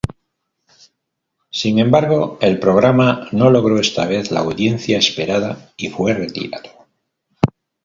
Sin embargo, el programa no logró esta vez la audiencia esperada y fue retirado.